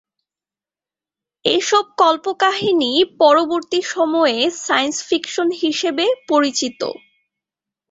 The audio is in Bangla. এসব কল্পকাহিনী পরবর্তী সময়ে 'সাইন্স ফিকশন' হিসেবে পরিচিত।